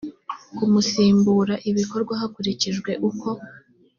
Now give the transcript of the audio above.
kumusimbura bikorwa hakurikijwe uko